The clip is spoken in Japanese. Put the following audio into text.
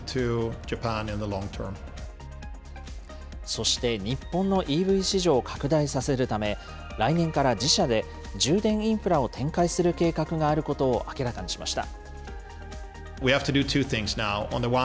そして日本のＥＶ市場を拡大させるため、来年から自社で充電インフラを展開する計画があることを明らかにしました。